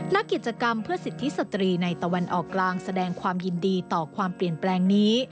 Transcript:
นักกิจกรรมเพื่อสิทธิสตรีในตะวันออกกลางแสดงความยินดีต่อความเปลี่ยนแปลงนี้